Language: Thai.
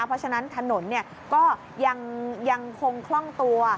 เพราะฉะนั้นถนนก็ยังคงคล่องตัว